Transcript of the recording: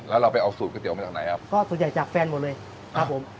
แล้วเราไปเอาสูตรก๋วมาจากไหนครับก็ส่วนใหญ่จากแฟนหมดเลยครับผม